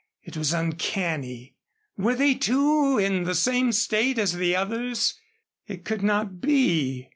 It was uncanny. Were they, too, in the same state as the others? It could not be.